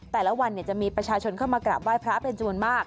แต่ละวันเนี่ยจะมีประชาชนเข้ามากราบไหว้พระอาจเป็นจุดมาก